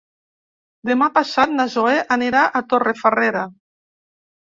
Demà passat na Zoè anirà a Torrefarrera.